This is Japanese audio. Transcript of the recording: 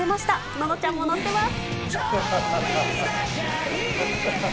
ののちゃんも乗ってます。